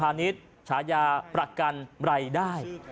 ว่าการกระทรงพาณิชย์ทรยาประกันลายได้